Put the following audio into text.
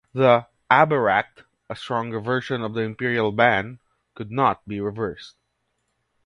The "Aberacht", a stronger version of the imperial ban, could not be reversed.